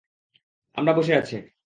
আমরা বসে আছ।